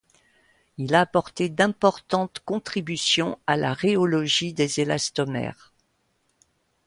Il a apporté d'importantes contributions à la rhéologie des élastomères.